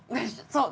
そう。